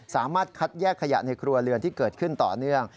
สามารถคัดแยกขยะในครัวเรือนที่เกิดขึ้นต่อเนื่อง